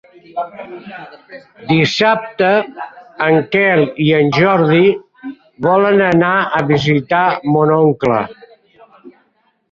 Dissabte en Quel i en Jordi volen anar a visitar mon oncle.